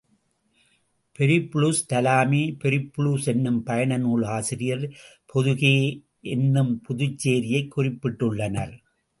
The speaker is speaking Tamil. பெரிப்புளுஸ் தாலமி பெரிப்புளுஸ் என்னும் பயண நூல் ஆசிரியர் பொதுகே என்றும் புதுச்சேரியைக் குறிப்பிட்டுள்ளனர்.